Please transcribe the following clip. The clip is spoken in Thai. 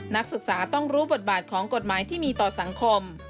นักศึกษาต้องรู้บทบาทของกฎหมายที่มีต่อสังคม